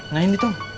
nah ini tom